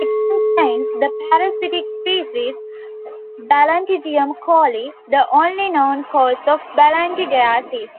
It contains the parasitic species "Balantidium coli", the only known cause of balantidiasis.